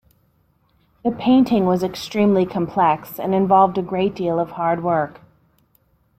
The painting was extremely complex and involved a great deal of hard work.